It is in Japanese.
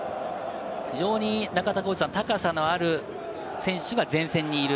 非常に高さのある選手が前線にいる。